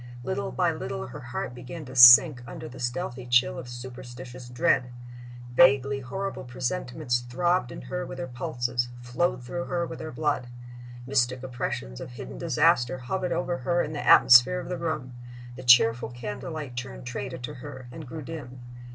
Little by little her heart began to sink under the stealthy chill of superstitious dread. Vaguely horrible presentiments throbbed in her with her pulses, flowed through her with her blood. Mystic oppressions of hidden disaster hovered over her in the atmosphere of the room. The cheerful candle light turned traitor to her and grew dim.